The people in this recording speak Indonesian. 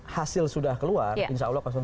hasil sudah keluar insya allah